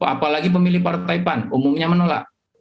apalagi pemilih partai pan umumnya menolak